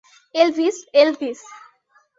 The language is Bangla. Elvis, Elvis.